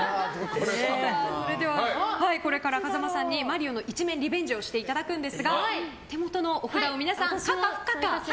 それでは、これから風間さんに「マリオ」の１面リベンジをしていただくんですが手元の札を皆さん、可か不可か。